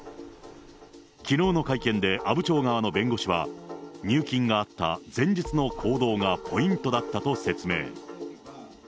きのうの会見で阿武町側の弁護士は、入金があった前日の行動がポイントだったと説明。